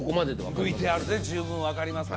ＶＴＲで十分分かりますか